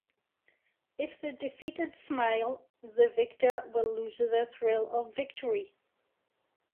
If the defeated smile, the victor will lose the thrill of victory